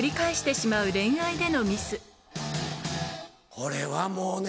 これはもうね